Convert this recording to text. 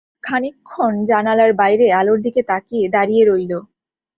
খানিকক্ষণ জানলার বাইরের আলোর দিকে তাকিয়ে দাঁড়িয়ে রইল।